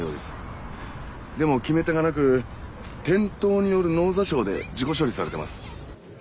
でも決め手がなく転倒による脳挫傷で事故処理されています。